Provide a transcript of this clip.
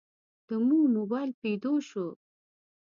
دمو مباييل پيدو شه.